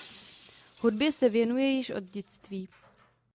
Hudbě se věnuje již od dětství.